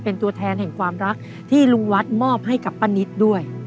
เป็นตัวแทนแห่งความรักที่ลุงวัดมอบให้กับป้านิตด้วย